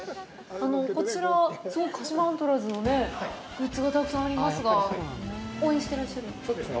こちら、すごく鹿島アントラーズのグッズがたくさんありますが応援してらっしゃるんですか。